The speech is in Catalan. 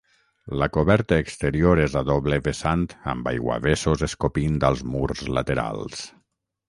La coberta exterior és a doble vessant amb aiguavessos escopint als murs laterals.